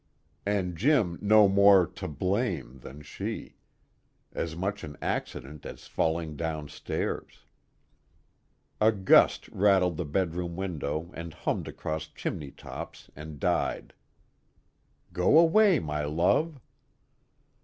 And Jim no more "to blame" than she. As much an accident as falling downstairs. A gust rattled the bedroom window and hummed across chimney tops and died. _Go away, my love!